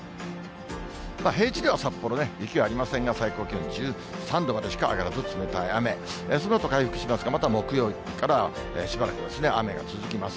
平地では札幌ね、雪はありませんが、最高気温１３度までしか上がらず、冷たい雨、そのあと回復しますが、また木曜日からしばらく、雨が続きます。